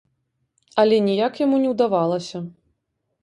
Але ніяк яму не ўдавалася.